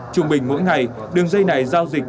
trùng bình mỗi ngày đường dây này giao dịch